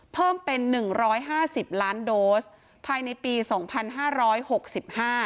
เพิ่มเป็นหนึ่งร้อยห้าสิบล้านโดสภายในปีสองพันห้าร้อยหกสิบห้า